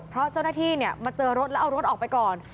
เพราะเจ้าหน้าที่มาเจอรถแล้วเอารถออกไปก่อน